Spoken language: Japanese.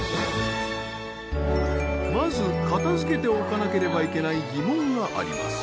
まず片付けておかなければいけない疑問があります。